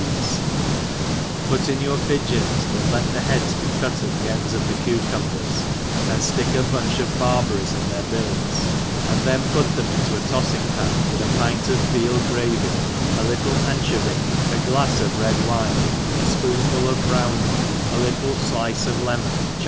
ds, put in your pigeons, but let the heads be cut at the ends of the cucumbers, and ftick a bunch of barberries in their bills, and then put them in a tofling pan with a pint of veal gravy, a Jittle anchovy, a glafs of red wine, a fpoonful of brownings a little flice of lemon^ Chyan ENGLISH HOUSE KEEPER.